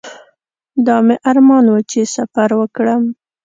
دا مې ارمان و چې سفر وکړم.